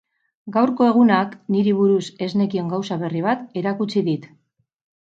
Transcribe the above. Gaurko egunak niri buruz ez nekien gauza berri bat erakutsi dit.